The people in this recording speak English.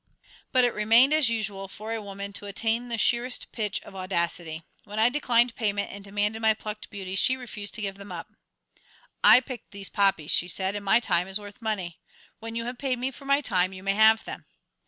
But it remained, as usual, for a woman to attain the sheerest pitch of audacity. When I declined payment and demanded my plucked beauties, she refused to give them up. "I picked these poppies," she said, "and my time is worth money. When you have paid me for my time you may have them."